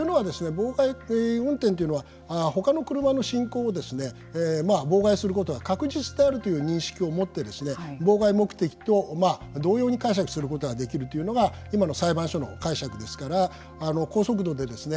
妨害運転というのはほかの車の進行を妨害することは確実であるという認識を持ってですね妨害目的と同様に解釈することができるというのが今の裁判所の解釈ですから高速度でですね